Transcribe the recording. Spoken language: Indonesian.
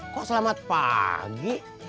kok selamat pagi